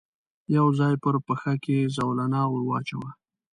يو ځای پر پښه کې زولنه ور واچاوه.